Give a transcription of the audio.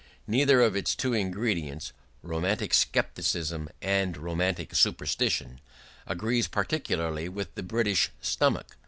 Neither of its two ingredients romantic scepticism and romantic superstition agrees particularly with the British stomach.